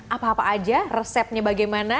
apa apa aja resepnya bagaimana